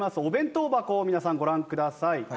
お弁当箱を皆さんご覧ください。